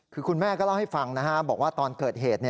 คือคุณแม่ก็เล่าให้ฟังบอกว่าตอนเกิดเหตุ